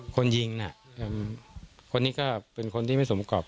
คนยิงน่ะคนนี้ก็เป็นคนที่ไม่สมกรอบ